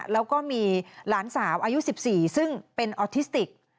แล้วก็มีหลานสาวอายุ๑๔ซึ่งเป็นออทิสติก